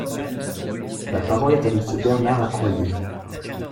La parole est à Monsieur Bernard Accoyer.